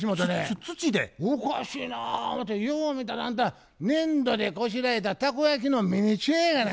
おかしいな思てよう見たらあんた粘土でこしらえたたこ焼きのミニチュアやがな。